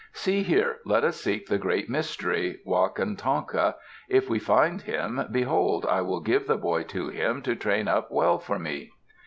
See here; let us seek the Great Mystery, Wakantanka. If we find him, behold! I will give the boy to him to train up well for me."